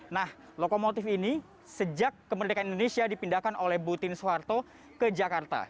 nah lokomotif ini sejak kemerdekaan indonesia dipindahkan oleh butin soeharto ke jakarta